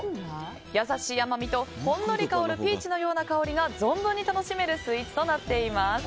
優しい甘みと、ほんのり香るピーチのような香りが存分に楽しめるスイーツとなっています。